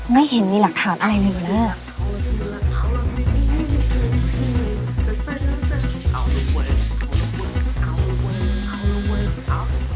ไม่เห็นมีหลักฐานอะไรอื่นกว่าแล้ว